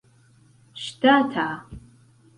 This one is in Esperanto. ŝtata